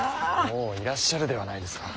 もういらっしゃるではないですか。